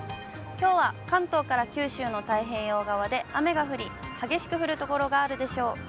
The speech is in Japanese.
きょうは関東から九州の太平洋側で雨が降り、激しく降る所があるでしょう。